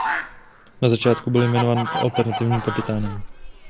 Na začátku byl jmenován alternativním kapitánem.